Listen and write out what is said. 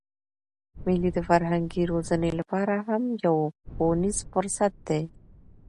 مېلې د فرهنګي روزني له پاره هم یو ښوونیز فرصت دئ.